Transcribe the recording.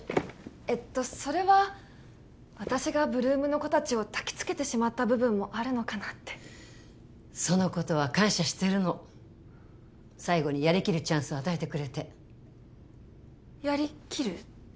えっとそれは私が８ＬＯＯＭの子達をたきつけてしまった部分もあるのかなってそのことは感謝してるの最後にやりきるチャンスを与えてくれてやりきる？